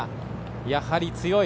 やはり強い。